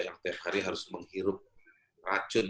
yang tiap hari harus menghirup racun